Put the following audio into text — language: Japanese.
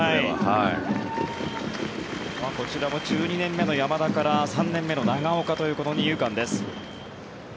こちらも１２年目の山田から３年目の長岡という二遊間です。